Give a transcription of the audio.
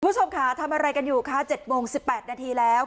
คุณผู้ชมค่ะทำอะไรกันอยู่คะ๗โมง๑๘นาทีแล้ว